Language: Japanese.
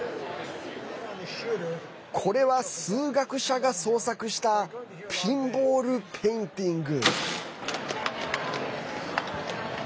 これは、数学者が創作した「ピンボール・ペインティング」。